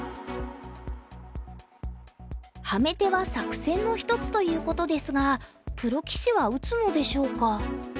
ハメ手は作戦の一つということですがプロ棋士は打つのでしょうか？